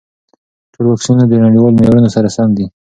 ټول واکسینونه د نړیوال معیارونو سره سم دي.